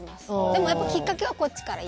でも、きっかけはこっちから。